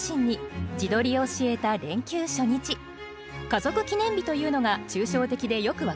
「家族記念日」というのが抽象的でよく分かりません。